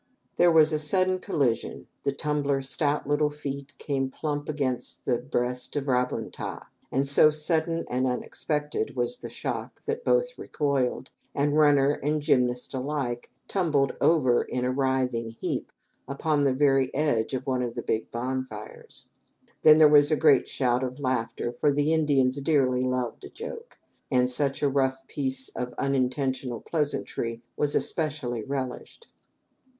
There was a sudden collision. The tumbler's stout little feet came plump against the breast of Ra bun ta, and so sudden and unexpected was the shock that both recoiled, and runner and gymnast alike tumbled over in a writhing heap upon the very edge of one of the big bonfires, Then there was a great shout of laughter, for the Indians dearly loved a joke, and such a rough piece of unintentional pleasantry was especially relished.